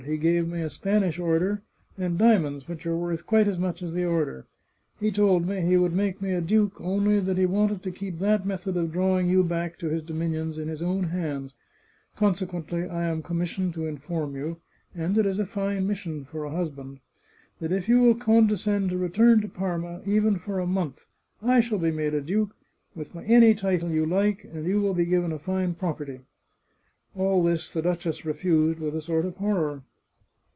He gave me a Spanish Order, and diamonds which are worth quite as much as the Order. He told me he would make me a duke, only that he wanted to keep that method of drawing you back to his dominions in his own hands; consequently I am com missioned to inform you (and it is a fine mission for a hus band !) that if you will condescend to return to Parma, even for a month, I shall be made a duke, with any title you choose, and you will be given a fine property." All this the duchess refused with a sort of horror.